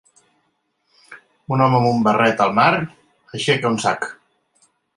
Un home amb un barret al mar, aixeca un sac.